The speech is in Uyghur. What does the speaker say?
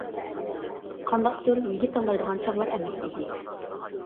قانداقتۇر يىگىت تاللايدىغان چاغلار ئەمەس ئىدى.